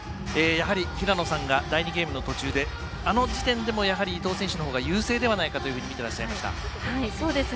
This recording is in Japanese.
やはり平野さんが第２ゲームの途中であの時点でもやはり伊藤選手のほうが優勢じゃないかと見ていました。